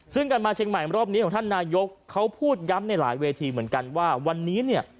ซึ่งการมาเชียงใหม่รอบนี้ของท่านนายกเขาพูดย้ำในหลายเวทีเหมือนกันว่าวันนี้เนี่ย